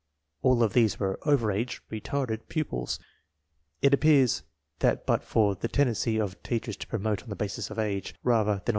All of these were over age ("retarded") pupils. It appears that but for the tendency of teach ers to promote on the basis of age, rather than on the 12 13 7.